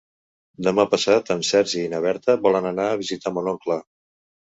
Demà passat en Sergi i na Berta volen anar a visitar mon oncle.